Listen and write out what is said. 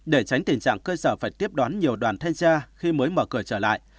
để tránh tình trạng cơ sở phải tiếp đón nhiều đoàn thanh tra khi mới mở cửa trở lại